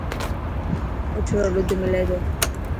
اٺ رو ڏوڌ ملي تو؟